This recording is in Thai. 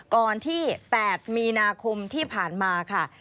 ก่อนที่๘มีนาคมที่ผ่านมาค่ะ